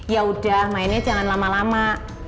yaudah mainnya jangan lama lama